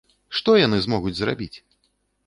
Што яны змогуць зрабіць?!